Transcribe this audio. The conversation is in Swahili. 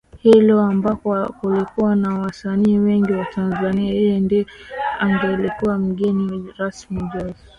hilo ambako kulikuwa na Wasanii wengi wa Tanzania yeye ndiye angelikuwa mgeni rasmi Jose